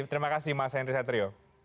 terima kasih mas ayan desetri